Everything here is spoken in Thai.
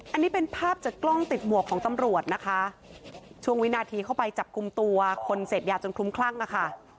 อันนี้เป็นภาพจากกล้องติดหมวกของตำรวจนะคะช่วงวินาทีเข้าไปจับกลุ่มตัวคนเสพยาจนคลุ้มคลั่งอ่ะค่ะ